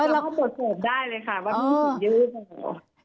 เราก็ปรวจสอบได้เลยค่ะว่ามีสิ่งยื่น